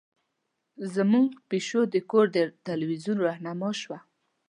زمونږ پیشو د کور د تلویزیون رهنما شوه.